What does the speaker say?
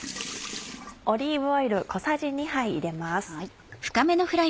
オリーブオイル小さじ２杯入れます。